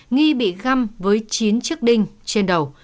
nghi bị găm với chín chiếc đinh trên đầu